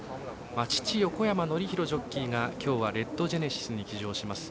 父、横山典弘ジョッキーがきょうはレッドジェネシスに騎乗します。